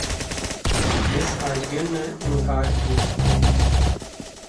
Mrs یئرگن نے اِنکار کِیا